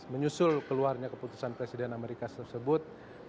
menyusul keluarnya keputusan presiden amerika tersebut